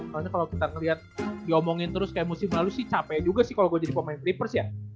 soalnya kalo kita ngeliat diomongin terus kayak musim lalu sih cape juga sih kalo gua jadi pemain clippers ya